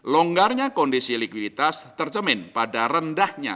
longgarnya kondisi likuiditas tercemin pada rendahnya